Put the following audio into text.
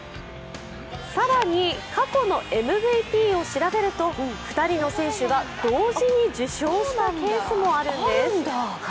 更に、過去のＭＶＰを調べると２人の選手が同時に受賞したケースもあるんです。